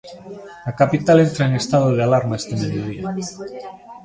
A capital entra en estado de alarma este mediodía.